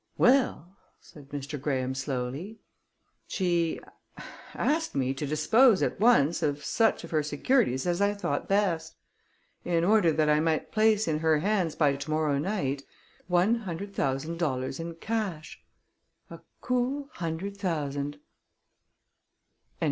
"Well," said Mr. Graham slowly, "she asked me to dispose at once of such of her securities as I thought best, in order that I might place in her hands by to morrow night one hundred thousand dollars in cash a cool hundred thousand!"